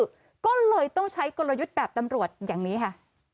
คนป่วยดื้อก็เลยต้องใช้กลยุทธแบบตำรวจอย่างนี้ค่ะ